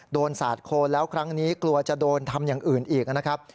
สาดโคนแล้วครั้งนี้กลัวจะโดนทำอย่างอื่นอีกนะครับ